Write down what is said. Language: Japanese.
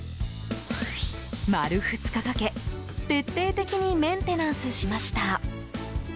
丸２日かけ徹底的にメンテナンスしました。